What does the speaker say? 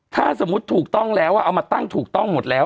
ถ้าสมมุติถูกต้องแล้วเอามาตั้งถูกต้องหมดแล้ว